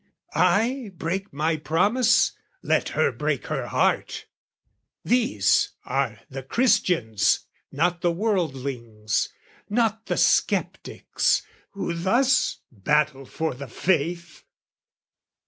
"I break my promise: let her break her heart!" These are the Christians not the wordlings, not The sceptics, who thus battle for the faith!